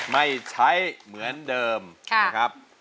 ไม่ใช้เหมือนเดิมนะครับ